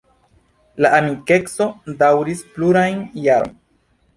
La amikeco daŭris plurajn jarojn.